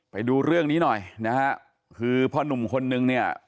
ไปดูเรื่องนี้หน่อยนะฮะคือพ่อนุ่มคนนึงเนี่ย